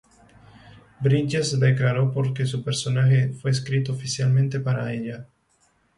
Bridges declaró que su personaje fue escrito oficialmente para ella.